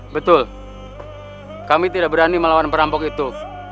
betul kami tidak berani melawan perampok itu